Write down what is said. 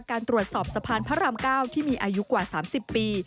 การตรวจสอบสะพานพระราม๙ที่มีอายุกว่า๓๐ปี